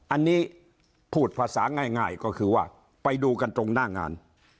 อันนี้พูดภาษาง่ายก็คือว่าไปดูกันตรงหน้างาน